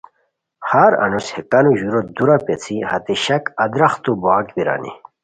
ہر انوس ہے کانو ژورو دورا پیڅھی ہتے شاک ادرختو بوغاک بیرانی